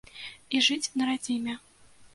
І жыць на радзіме.